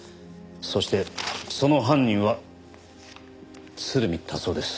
そしてその犯人は鶴見達男です。